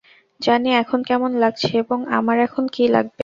জানি এখন কেমন লাগছে এবং আমার এখন কী লাগবে।